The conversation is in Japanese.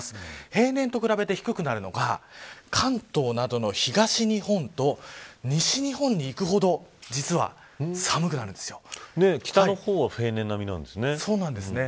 平年と比べて低くなるのが関東などの東日本と西日本にいくほど実は寒くなるんで北の方は平年並みなんですね。